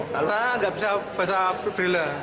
kita tidak bisa bela